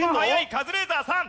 カズレーザーさん。